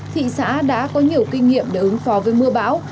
thị xã đã có nhiều kinh nghiệm để ứng phó với mưa bão